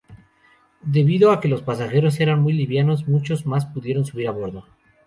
Debido a que los pasajeros eran muy livianos, muchos más pudieron subir a bordo.